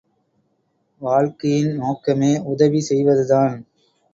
வாழ்க்கையின் நோக்கமே உதவி செய்வதுதான்.